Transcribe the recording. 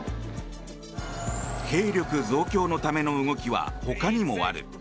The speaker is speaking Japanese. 兵力増強のための動きはほかにもある。